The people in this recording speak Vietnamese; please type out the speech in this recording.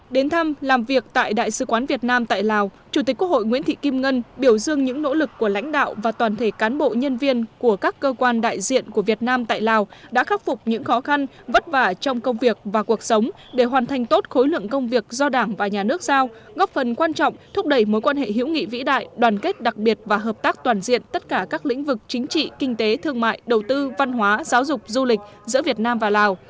đến thăm làm việc tại đại sứ quán việt nam tại lào chủ tịch quốc hội nguyễn thị kim ngân biểu dương những nỗ lực của lãnh đạo và toàn thể cán bộ nhân viên của các cơ quan đại diện của việt nam tại lào đã khắc phục những khó khăn vất vả trong công việc và cuộc sống để hoàn thành tốt khối lượng công việc do đảng và nhà nước giao góp phần quan trọng thúc đẩy mối quan hệ hiểu nghị vĩ đại đoàn kết đặc biệt và hợp tác toàn diện tất cả các lĩnh vực chính trị kinh tế thương mại đầu tư văn hóa giáo dục du lịch giữa việt nam và lào